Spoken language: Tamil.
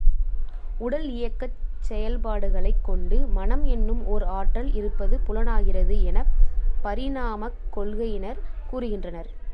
உடல் இயக்கச் செயல்பாடுகளைக் கொண்டு, மனம் என்னும் ஓர் ஆற்றல் இருப்பது புலனாகிறது எனப் பரிணாமக் கொள்கையினர் கூறுகின்றனர்.